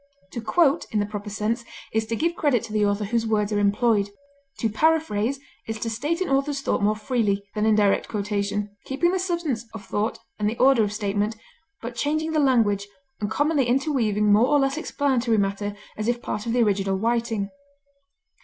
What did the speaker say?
To quote, in the proper sense, is to give credit to the author whose words are employed. To paraphrase is to state an author's thought more freely than in indirect quotation, keeping the substance of thought and the order of statement, but changing the language, and commonly interweaving more or less explanatory matter as if part of the original writing.